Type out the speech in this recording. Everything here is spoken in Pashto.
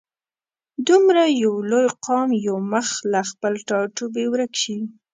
دومره یو لوی قام یو مخ له خپل ټاټوبي ورک شي.